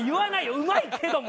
うまいけども。